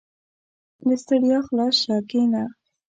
• له ستړیا خلاص شه، کښېنه.